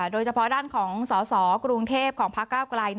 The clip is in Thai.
โดยเฉพาะด้านของสสกรุงเทพของพระเก้าไกล